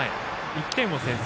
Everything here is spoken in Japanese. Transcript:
１点を先制。